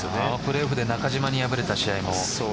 プレーオフで中島に敗れた試合も。